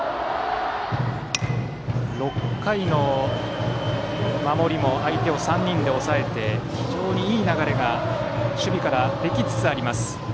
６回の守りも相手を３人で抑えて非常にいい流れが守備からできつつあります